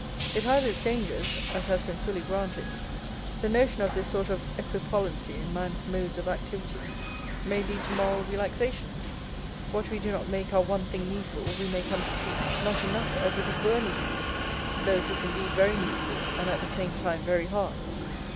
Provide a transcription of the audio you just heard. It has its dangers, as has been fully granted; the notion of this sort of equipollency in man's modes of activity may lead to moral relaxation, what we do not make our one thing needful we may come to treat not enough as if it were needful, though it is indeed very needful and at the same time very hard.